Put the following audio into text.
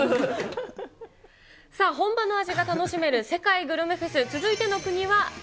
さあ、本場の味が楽しめる世界グルメフェス。